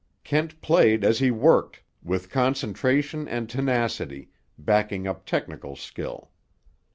Kent played as he worked, with concentration and tenacity, backing up technical skill.